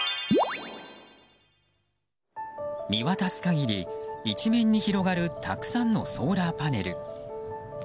見渡す限り一面に広がるたくさんのソーラーパネル。